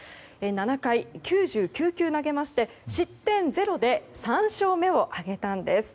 ７回９９球投げまして失点０で３勝目を挙げたんです。